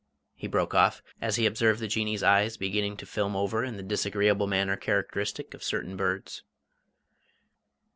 he broke off, as he observed the Jinnee's eyes beginning to film over in the disagreeable manner characteristic of certain birds.